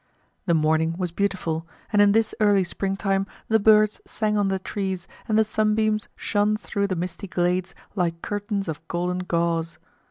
The morning was beautiful, and in this early springtime the birds sang on the trees and the sunbeams shone through the misty glades, like curtains of golden gauze.